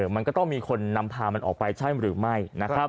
มันก็ต้องมีคนนำพามันออกไปใช่หรือไม่